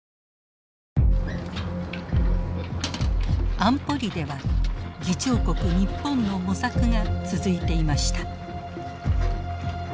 安保理では議長国日本の模索が続いていました。